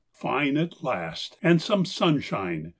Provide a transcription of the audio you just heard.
_—Fine at last and some sunshine!